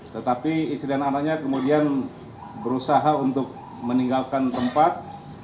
tetapi istri dan anaknya kemudian berusaha untuk meninggalkan tempat